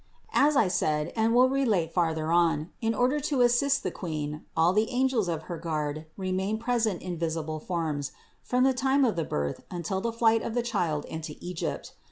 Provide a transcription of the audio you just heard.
As I said, and will relate further on, in order to assist the Queen, all the angels of her guard remained present in visible forms from the time of the Birth until the flight of the Child into Egypt.